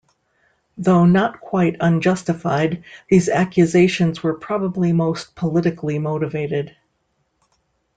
Though not quite unjustified these accusations were probably mostly politically motivated.